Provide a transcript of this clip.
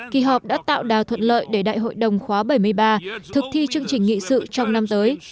kỳ họp đã tạo đào thuận lợi để đại hội đồng khóa bảy mươi ba thực thi chương trình nghị sự trong năm tới